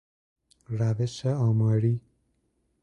روش آماری